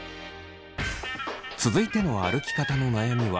続いての歩き方の悩みは内股。